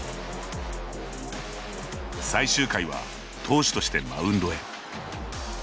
最終回は投手としてマウンドへ。